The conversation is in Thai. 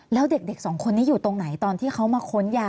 แล้วเด็กสองคนนี้อยู่ตรงไหนตอนที่เขามาค้นยา